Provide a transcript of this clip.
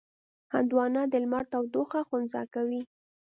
هندوانه د لمر تودوخه خنثی کوي.